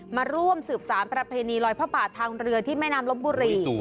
มาร่วมสืบสารประเพณีลอยพระป่าทางเรือที่แม่น้ำลบบุรี